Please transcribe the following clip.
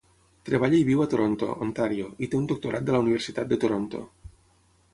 Treballa i viu a Toronto, Ontario, i té un doctorat de la Universitat de Toronto.